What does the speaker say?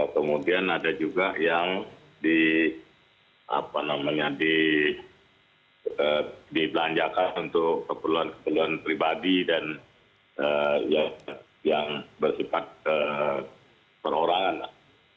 kemudian ada juga yang dibelanjakan untuk keperluan keperluan pribadi dan yang bersifat perorangan lah